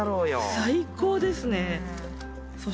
最高ですね。